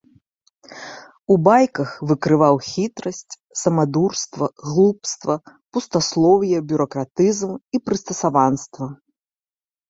У байках выкрываў хітрасць, самадурства, глупства, пустаслоўе, бюракратызм і прыстасаванства.